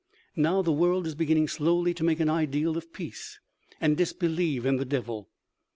Now the world is beginning slowly to make an ideal of peace, and disbelieve in the Devil.